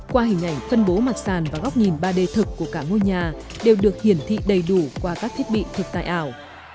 qua hình ảnh phân bố mặt sàn và góc nhìn ba d thực của cả ngôi nhà đều được hiển thị đầy đủ qua các thiết bị thực tại ảo